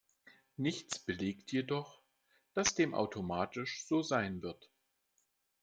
Nichts belegt jedoch, dass dem automatisch so sein wird.